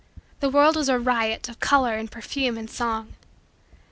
The world was a riot of color and perfume and song.